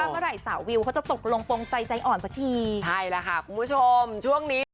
ไปก็ให้พร้อมก่อน